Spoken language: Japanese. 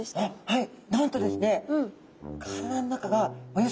はい。